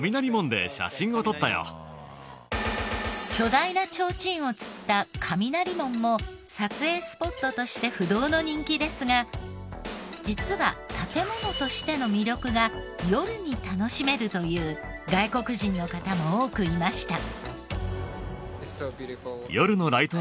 巨大な提灯を吊った雷門も撮影スポットとして不動の人気ですが実は建ものとしての魅力が夜に楽しめるという外国人の方も多くいました。